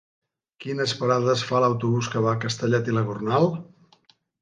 Quines parades fa l'autobús que va a Castellet i la Gornal?